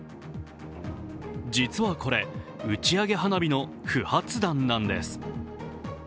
実はこれ、打ち上げ花火の不発弾なんです。